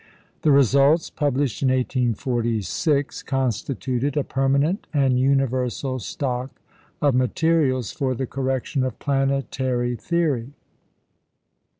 The results, published in 1846, constituted a permanent and universal stock of materials for the correction of planetary theory.